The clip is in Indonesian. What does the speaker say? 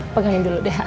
pegangin dulu deh